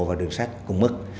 và đường sát cũng mất